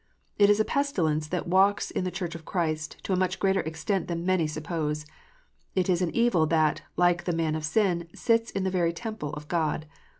It is a pestilence that walks in the Church of Christ to a much greater extent than many suppose. It is an evil that, like the man of sin, " sits in the very temple of God."